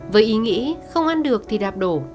với ý nghĩ không ăn được thì đạp đổ